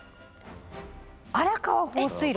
荒川放水路。